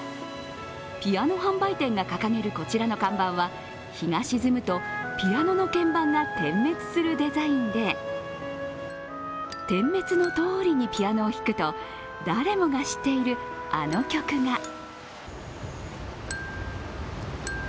ピアノ販売店が掲げるこちらの看板は日が沈むと、ピアノの鍵盤が点滅するデザインで点滅のとおりにピアノを弾くと誰もが知っているあの曲が。